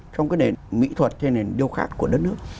trong cái nền mỹ thuật trên nền điêu khắc của đất nước